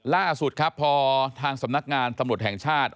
ล่าสุดครับพอทางสำนักงานตำรวจแห่งชาติ